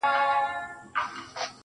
نوك د زنده گۍ مو لكه ستوري چي سركښه سي.